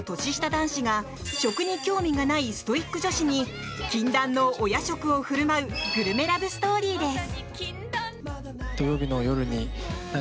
男子が食に興味がないストイック女子に禁断のお夜食を振る舞うグルメラブストーリーです。